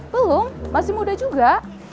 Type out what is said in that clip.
belum masih muda juga